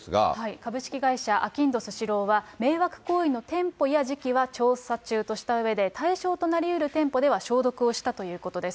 株式会社あきんどスシローは、迷惑行為の店舗や時期は調査中としたうえで、対象となりうる店舗では消毒をしたということです。